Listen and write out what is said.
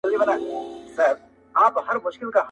و دام ته مي راغلي دي زاغان خلاصومه